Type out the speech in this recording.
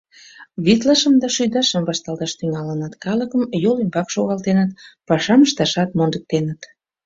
— Витлашым да шӱдашым вашталташ тӱҥалыныт, калыкым йол ӱмбак шогалтеныт, пашам ышташат мондыктеныт.